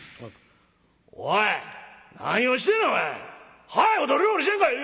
「おい何をしてんのやお前！早いこと料理せんかい！」。